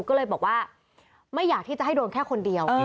ก็เลยบอกว่าไม่อยากที่จะให้โดนแค่คนเดียว